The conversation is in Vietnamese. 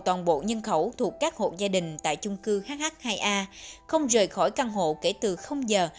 toàn bộ nhân khẩu thuộc các hộ gia đình tại chung cư hh hai a không rời khỏi căn hộ kể từ giờ